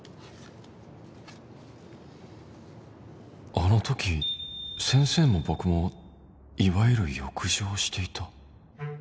あの時先生も僕もいわゆる欲情していた